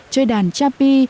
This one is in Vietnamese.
chơi đàn cha pi